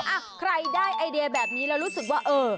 อ่ะใครได้ไอเดียแบบนี้แล้วรู้สึกว่าเออ